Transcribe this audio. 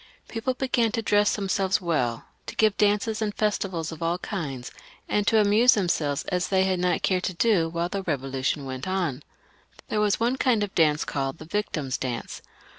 People began to dress themselves well, to give dances and festivals of all kinds, and to amuse themselves as they had not cared to do while the Eevolu tion went on. There was one kind of dance called the Victim's Dance.